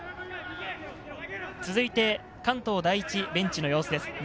続いて関東第一ベンチの様子です。